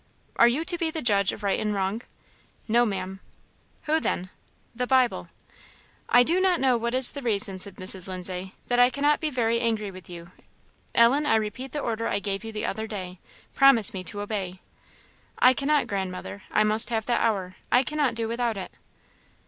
"Are you to be the judge of right and wrong?" "No, Ma'am." "Who then?" "The Bible." "I do not know what is the reason," said Mrs. Lindsay, "that I cannot be very angry with you. Ellen, I repeat the order I gave you the other day. Promise me to obey." "I cannot, Grandmother; I must have that hour; I cannot do without it."